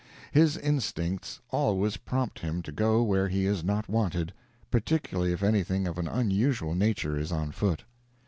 His instincts always prompt him to go where he is not wanted, particularly if anything of an unusual nature is on foot.